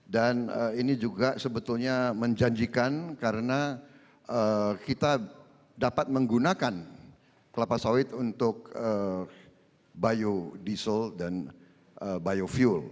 dan ini juga sebetulnya menjanjikan karena kita dapat menggunakan kelapa sawit untuk biodiesel dan biofuel